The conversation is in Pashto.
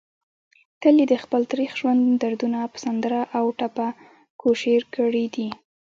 تل يې دخپل تريخ ژوند دردونه په سندره او ټپه کوشېر کړي دي